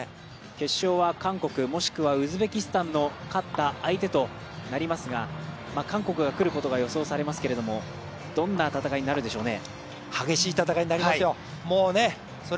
決勝は、韓国もしくはウズベキスタンの勝った相手となりますが韓国が来ることが予想されますけれども、どんな戦いになるでしょうね。